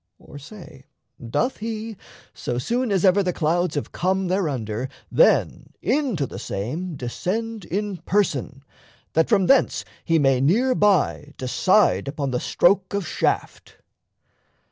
Or, say, doth he, so soon as ever the clouds Have come thereunder, then into the same Descend in person, that from thence he may Near by decide upon the stroke of shaft?